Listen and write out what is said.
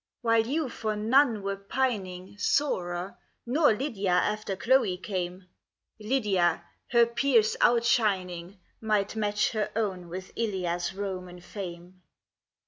LYDIA. While you for none were pining Sorer, nor Lydia after Chloe came, Lydia, her peers outshining, Might match her own with Ilia's Roman fame.